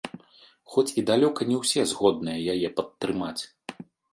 Хоць і далёка не ўсе згодныя яе падтрымаць.